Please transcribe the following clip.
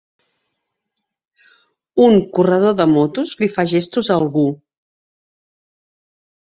Un corredor de motos li fa gestos a algú